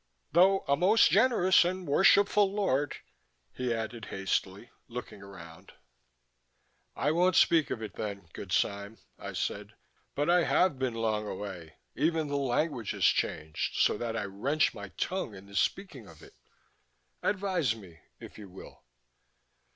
Though a most generous and worshipful lord," he added hastily, looking around. "I won't speak of it then, good Sime," I said. "But I have been long away. Even the language has changed, so that I wrench my tongue in the speaking of it. Advise me, if you will."